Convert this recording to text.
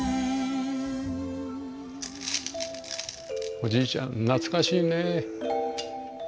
おじいちゃん懐かしいね。